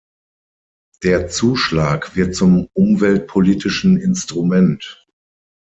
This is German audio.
Der Zuschlag wird zum umweltpolitischen Instrument.